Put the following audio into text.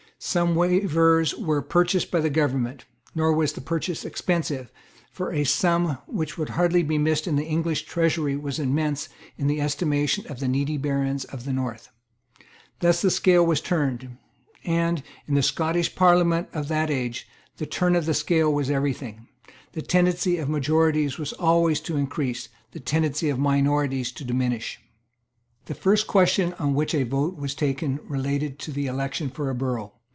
Some waverers were purchased by the government; nor was the purchase expensive, for a sum which would hardly be missed in the English Treasury was immense in the estimation of the needy barons of the North, Thus the scale was turned; and, in the Scottish Parliaments of that age, the turn of the scale was every thing; the tendency of majorities was always to increase, the tendency of minorities to diminish. The first question on which a vote was taken related to the election for a borough.